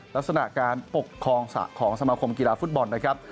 ลักษณะการปกครองสระของสมาคมกีฬาฟุตบอลนะครับ